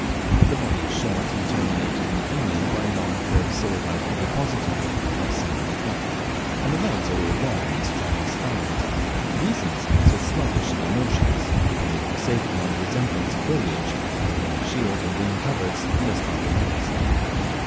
The body is short, and terminated in the female by a long curved sword like ovipositor (not seen in the cut), and the legs are all long and strongly spined. These insects are sluggish in their motions, depending for safety on their resemblance to foliage, their horny shield and wing coverts, and their spiny legs.